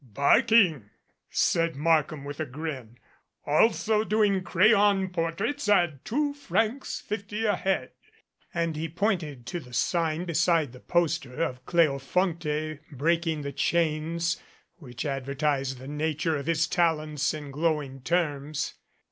"Barking," said Markham with a grin. "Also doing crayon portraits at two francs fifty a head," and he pointed to the sign beside the poster of Cleofonte break ing the chains which advertised the nature of his talents in glowing terms.